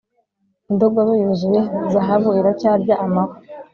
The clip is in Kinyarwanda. indogobe yuzuye zahabu iracyarya amahwa